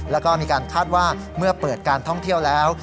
แล้วก็มีการคาดว่าเมื่อเปิดการท่องเที่ยวแล้ว